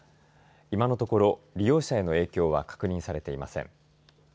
今のところ利用者への影響は確認されていません。